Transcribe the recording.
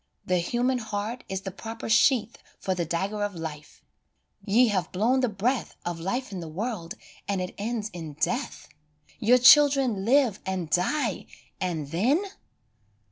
The human heart is the proper sheath For the dagger of life ; ye have blown the breath Of life in the world and it ends in death ; Your children live and die, and then